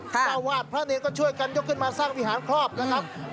เจ้าวาดพระเนรก็ช่วยกันยกขึ้นมาสร้างวิหารครอบนะครับ